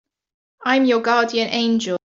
I'm your guardian angel.